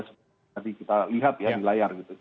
seperti kita lihat di layar